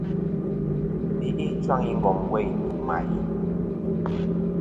Yi be'i ɨchwaŋ i ngom weyn ndu mà'i.